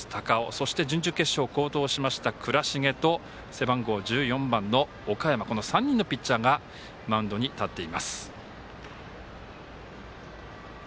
そして、準々決勝好投しました倉重と、この岡山３人のピッチャーがマウンドに立っています。